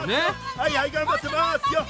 はいはいがんばってますよ！